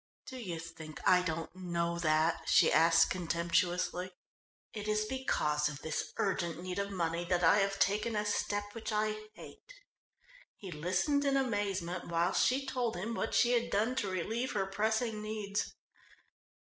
"Do you think I don't know that?" she asked contemptuously. "It is because of this urgent need of money that I have taken a step which I hate." He listened in amazement whilst she told him what she had done to relieve her pressing needs.